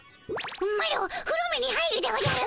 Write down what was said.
マロふろめに入るでおじゃる。